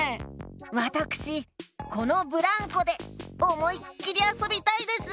わたくしこのブランコでおもいっきりあそびたいです。